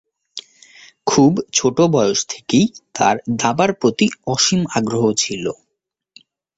খুব ছোট বয়স থেকেই তাঁর দাবার প্রতি অসীম আগ্রহ ছিল।